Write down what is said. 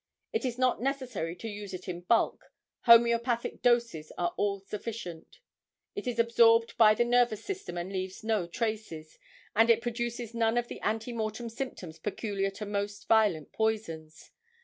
It is not necessary to use it in bulk, homeopathic doses are all sufficient. It is absorbed by the nervous system and leaves no traces, and it produces none of the ante mortem symptoms peculiar to most violent poisons.